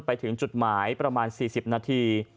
ไปถึงจุดหมายประมาณ๔๐นาที